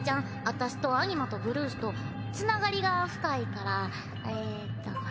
私とアニマとブルースとつながりが深いからえっと。